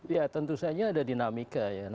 ya tentu saja ada dinamika ya